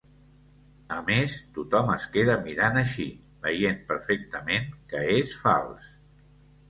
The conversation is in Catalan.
A més, tothom es queda mirant així, veient perfectament que és fals.